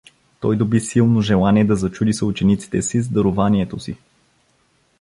Той доби силно желание да зачуди съучениците си с дарованието си.